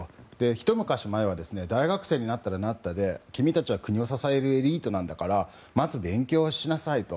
ひと昔前までは大学生になったらなったで君たちは国を支えるエリートなんだからまず勉強をしなさいと。